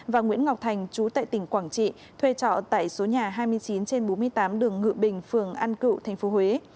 và nguyễn ngọc thành chú tại tỉnh quảng trị thuê trọ tại số nhà hai mươi chín trên bốn mươi tám đường ngự bình phường an cựu tp huế